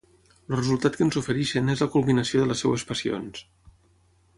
El resultat que ens ofereixen és la culminació de les seves passions.